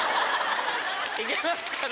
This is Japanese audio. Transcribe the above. いけますかね。